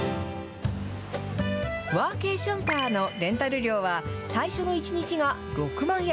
ワーケーションカーのレンタル料は、最初の１日が６万円。